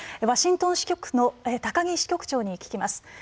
ワシントン支局の木支局長に聞きます。